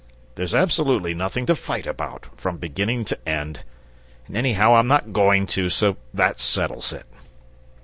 There's absolutely nothing to fight about, from beginning to end. And anyhow I'm not going to, so that settles it!"